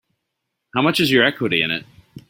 How much is your equity in it?